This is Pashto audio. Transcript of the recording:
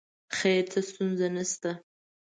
خیر څه ستونزه نه شته.